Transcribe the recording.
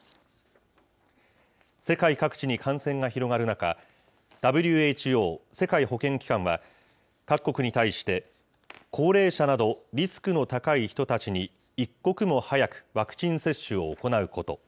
世界各地に感染が広がる中、ＷＨＯ・世界保健機関は、各国に対して、高齢者などリスクの高い人たちに、一刻も早くワクチン接種を行うこと。